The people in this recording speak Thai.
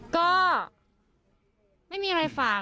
ก็ไม่มีอะไรฝาก